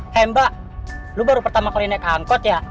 hei mbak lo baru pertama kali naik angkot ya